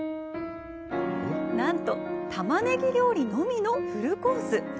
なんと、タマネギ料理のみのフルコース。